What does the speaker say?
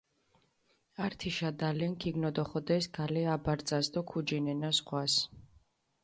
ართიშა დალენქ ქიგნოდოხოდეს გალე აბარწას დო ქუჯინენა ზღვას.